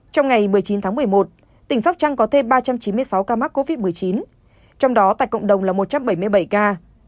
trong ngày một mươi chín tháng một mươi một tỉnh sóc trăng có thêm ba trăm chín mươi sáu ca mắc covid một mươi chín trong đó tại cộng đồng là một trăm bảy mươi bảy ca